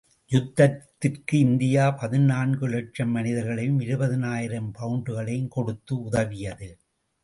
யுத்தத்திற்கு இந்தியா பதினான்கு இலட்சம் மனிதர்களையும் இருபதினாயிரம் பவுண்டையும் கொடுத்து உதவியது.